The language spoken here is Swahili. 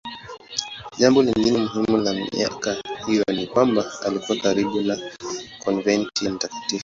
Jambo lingine muhimu la miaka hiyo ni kwamba alikuwa karibu na konventi ya Mt.